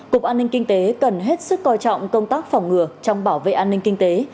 cục an ninh kinh tế cần hết sức coi trọng công tác phòng ngừa trong bảo vệ an ninh kinh tế